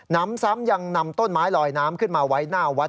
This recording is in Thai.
น้ำซ้ำยังนำต้นไม้ลอยน้ำขึ้นมาไว้หน้าวัด